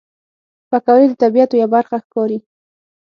پکورې د طبیعت یوه برخه ښکاري